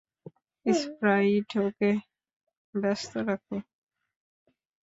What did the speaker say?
Sprite, ওকে ব্যস্ত রাখো!